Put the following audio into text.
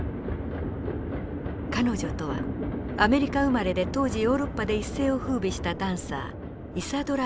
彼女とはアメリカ生まれで当時ヨーロッパで一世をふうびしたダンサーイサドラ・ダンカンです。